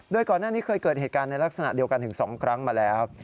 โดยก่อนหน้านี้เคยเกิดเหตุการณ์ในลักษณะเดียวกันถึง๒ครั้งมาแล้ว